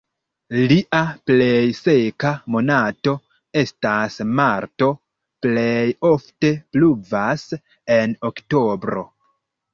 Lia plej seka monato estas marto, plej ofte pluvas en oktobro.